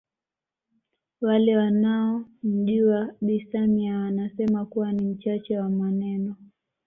Wale wanaomjua Bi Samia wanasema kuwa ni mchache wa maneno